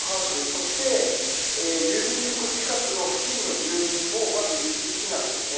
そして郵便局近くの付近の住民のまず一時避難ですね。